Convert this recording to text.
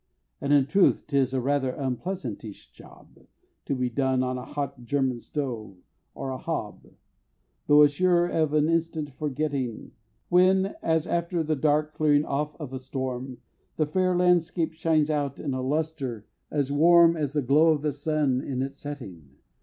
And, in truth, 'tis a rather unpleasantish job, To be done on a hot German stove, or a hob Though as sure of an instant forgetting, When as after the dark clearing off of a storm The fair Landscape shines out in a lustre as warm As the glow of the sun, in its setting!